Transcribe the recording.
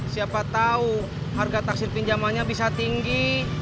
siapa tahu harga taksir pinjamannya bisa tinggi